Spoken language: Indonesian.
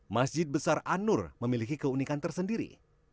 masjid besar anur memiliki keunikan tersendiri